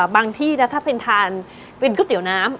ที่แล้วถ้าเป็นทานเป็นก๋วยเตี๋ยวน้ำ